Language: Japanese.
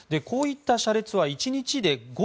こういった車列は１日で５ｋｍ